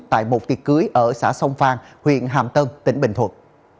tại một tiệc cưới ở xã sông phan huyện hàm tân tỉnh bình thuận